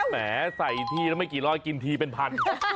แหมใส่ทีละไม่กี่ร้อยกินทีเป็นพัน